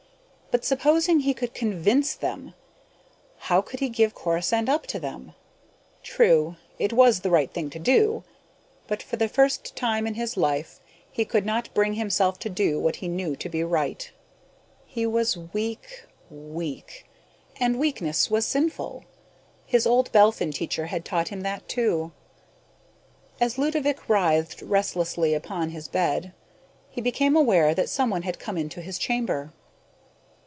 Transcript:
But supposing he could convince them, how could he give Corisande up to them? True, it was the right thing to do but, for the first time in his life, he could not bring himself to do what he knew to be right. He was weak, weak and weakness was sinful. His old Belphin teacher had taught him that, too. As Ludovick writhed restlessly upon his bed, he became aware that someone had come into his chamber.